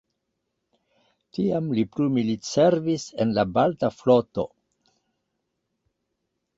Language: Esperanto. Tiam li plu militservis en la Balta floto.